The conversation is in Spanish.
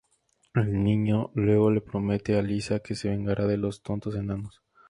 El niño, luego, le promete a Lisa que se vengará de los "tontos enanos".